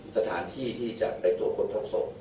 สถานที่ที่จะไปตรวจค้นพบศพ